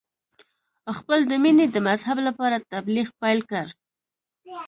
خپل د مینې د مذهب لپاره تبلیغ پیل کړ.